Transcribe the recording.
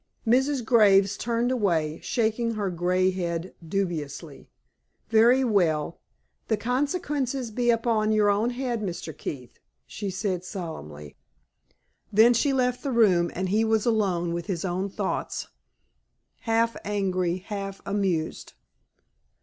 Mrs. Graves turned away, shaking her gray head dubiously. "Very well. The consequences be upon your own head, Mr. Keith," she said, solemnly. Then she left the room, and he was alone with his own thoughts half angry, half amused.